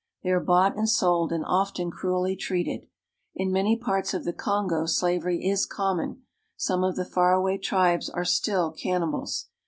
They are bought and sold, and are often cruelly treated. In many parts of the Kongo slavery is common. Some of the far away tribes are still cannibals.